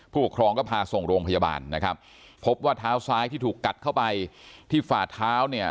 ผู้ปกครองก็พาส่งโรงพยาบาลนะครับพบว่าเท้าซ้ายที่ถูกกัดเข้าไปที่ฝ่าเท้าเนี่ย